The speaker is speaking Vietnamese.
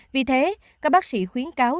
vì thế các bác sĩ khuyến cáo